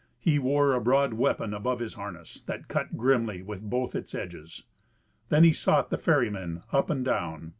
He wore a broad weapon above his harness, that cut grimly with both its edges. Then he sought the ferrymen up and down.